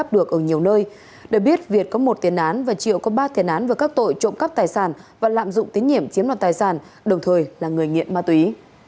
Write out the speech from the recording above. được biết việt có một tiền án và triệu có ba tiền án về các tội trộm cắp tài sản và lạm dụng tín nhiệm chiếm đoạt tài sản đồng thời là người nghiện ma túy